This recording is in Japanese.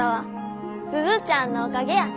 鈴ちゃんのおかげや。